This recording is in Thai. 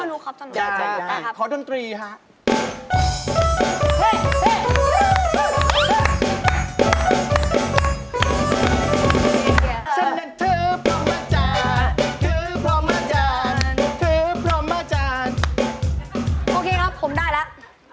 โอเคครับผมได้แล้ว